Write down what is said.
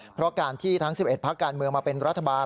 เพราะการที่ทั้ง๑๑พักการเมืองมาเป็นรัฐบาล